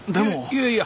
いやいや。